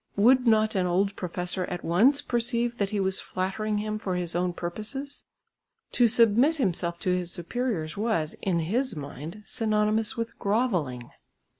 Would not an old professor at once perceive that he was flattering him for his own purposes? To submit himself to his superiors was, in his mind, synonymous with grovelling.